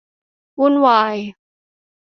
วุ่นวาย